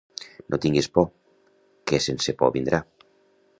No tingues por, que sense por vindrà.